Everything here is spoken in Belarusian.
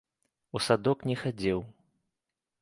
У садок не хадзіў.